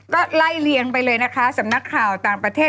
ก็ไล่เลียงไปเลยนะคะสำนักข่าวต่างประเทศ